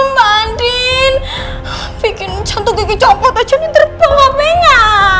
mbak andin bikin santu kiki copot aja ini terpengap ya